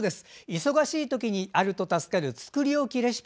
忙しい時にあると助かる作り置きレシピ。